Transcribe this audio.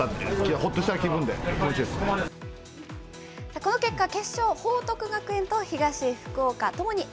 この結果、決勝、報徳学園と東福岡、ともにＡ